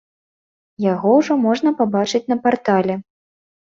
Яго ужо можна пабачыць на партале.